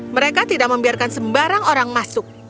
mereka tidak membiarkan sembarang orang masuk